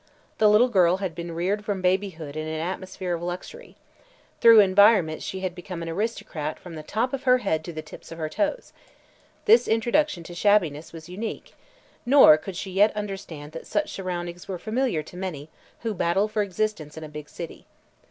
The little girl had been reared from babyhood in an atmosphere of luxury; through environment she had become an aristocrat from the top of her head to the tips of her toes; this introduction to shabbiness was unique, nor could she yet understand that such surroundings were familiar to many who battle for existence in a big city.